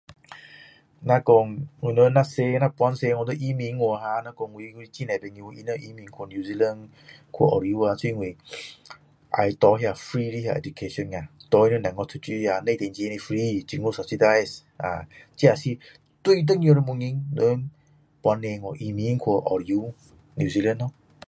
如果说我们搬出去那移民出去很多人移民去 new zealand 澳洲呀是因为要那个 free 的 education 给他们小孩读书呀不用钱政府 subsidize 这是最最重要的原因人搬出去移民去澳洲 new zealand 咯